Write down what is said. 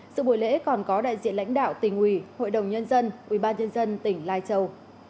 sự buổi lễ còn có đại diện lãnh đạo tỉnh ủy hội đồng nhân dân ủy ban nhân dân tỉnh lai châu